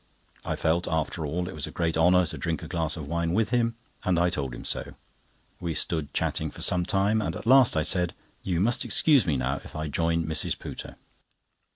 I felt, after all, it was a great honour to drink a glass of wine with him, and I told him so. We stood chatting for some time, and at last I said: "You must excuse me now if I join Mrs. Pooter."